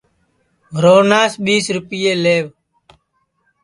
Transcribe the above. روہناس ٻیس رِپئے لیوَ